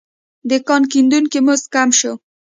د کان کیندونکو مزد کم شو.